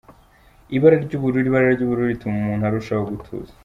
Ibara ry’ ubururu : ibara ry’ubururu rituma umuntu arushaho gutuza.